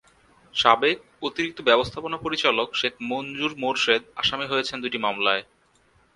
সাবেক অতিরিক্ত ব্যবস্থাপনা পরিচালক শেখ মঞ্জুর মোরশেদ আসামি হয়েছেন দুটি মামলায়।